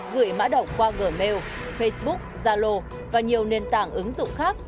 ba gửi mã động qua gmail facebook zalo và nhiều nền tảng ứng dụng khác